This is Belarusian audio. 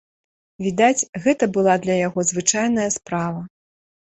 Відаць, гэта была для яго звычайная справа.